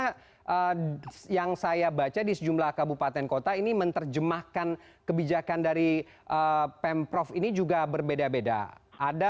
lihat saya baca dis mache kota ini menerjemahkan kebijakan dari pemprov ini juga berbeda beda ada